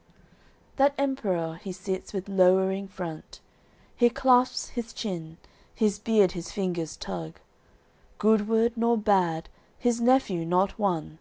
AOI. XV That Emperour he sits with lowering front, He clasps his chin, his beard his fingers tug, Good word nor bad, his nephew not one.